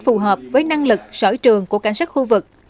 phù hợp với năng lực sở trường của cảnh sát khu vực